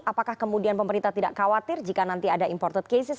apakah kemudian pemerintah tidak khawatir jika nanti ada imported cases